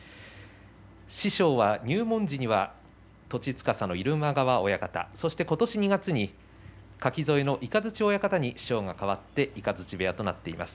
師匠は入門時には栃司の入間川親方そして今年２月に垣添の雷親方に師匠が代わって雷部屋となっています。